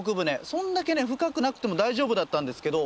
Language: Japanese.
そんだけね深くなくても大丈夫だったんですけど。